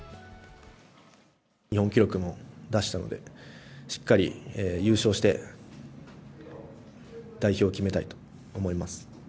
日本記録も出したので、しっかり優勝して、代表を決めたいと思います。